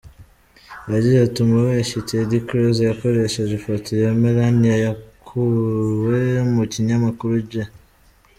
Yagize ati “Umubeshyi Ted Cruz yakoresheje ifoto ya Melania yakuwe mu kinyamakuru G.